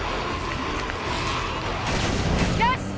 よし！